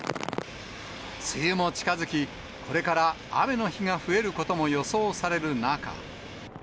梅雨も近づき、これから雨の日が増えることも予想される中。